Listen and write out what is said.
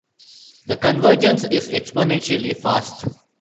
The convergence is exponentially fast.